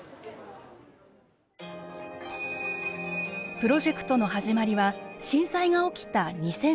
プロジェクトの始まりは震災が起きた２０１１年。